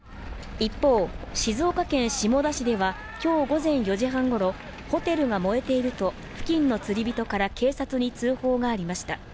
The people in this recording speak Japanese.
一方、静岡県下田市では今日午前４時半ごろホテルが燃えていると付近の釣り人から警察に通報がありました。